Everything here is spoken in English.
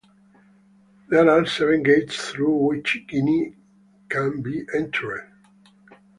There are seven gates through which Guinee can be entered.